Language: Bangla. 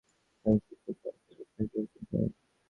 তিনি ঐ চিরকুট পাওয়ার পর আপনাকে টেলিফোন করেন।